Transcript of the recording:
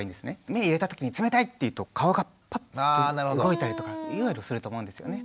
目入れた時に冷たい！っていうと顔がパッと動いたりとかすると思うんですよね。